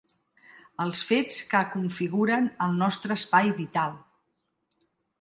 Els fets que configuren el nostre espai vital.